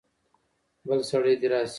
بل سړی دې راسي.